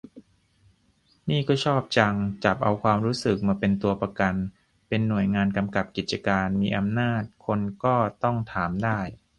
นี่ก็ชอบจัง จับเอาความรู้สึกมาเป็นตัวประกัน เป็นหน่วยงานกำกับกิจการ มีอำนาจ คนก็ต้องถามได้